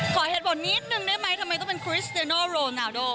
ขอเหตุผลนิดนึงได้ไหมทำไมต้องเป็นคริสเตียโนโรนาโด